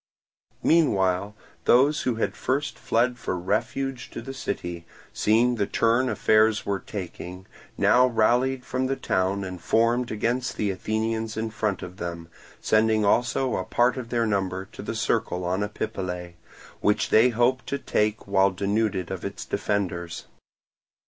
Meanwhile those who had at first fled for refuge to the city, seeing the turn affairs were taking, now rallied from the town and formed against the Athenians in front of them, sending also a part of their number to the Circle on Epipolae, which they hoped to take while denuded of its defenders.